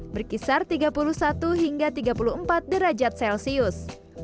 berkisar tiga puluh satu hingga tiga puluh empat derajat celcius